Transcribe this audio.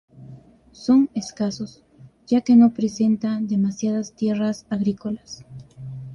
Son escasos, ya que no presenta demasiadas tierras agrícolas.